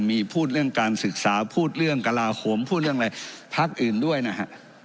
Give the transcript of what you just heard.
มีพูดเรื่องการศึกษาพูดเรื่องกระลาโหมพูดเรื่องอะไรพักอื่นด้วยนะฮะ